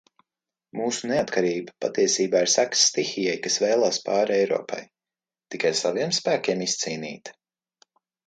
Mūsu neatkarība patiesībā ir sekas stihijai, kas vēlās pāri Eiropai. Tikai saviem spēkiem izcīnīta?